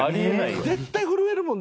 絶対震えるもんね。